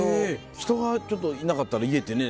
人がいなかったら家ってね